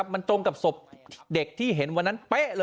มันตรงกับศพเด็กที่เห็นวันนั้น